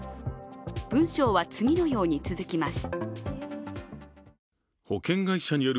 文章は次のように続きます。